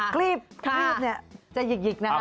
คลีบคลีบเนี่ยจะหยิกนะครับ